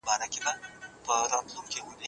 انسان باید بې ارزښته ونه ګڼل سي.